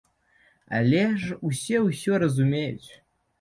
Але ж усе ўсё разумеюць!